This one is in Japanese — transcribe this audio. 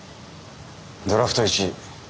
ドラフト１位。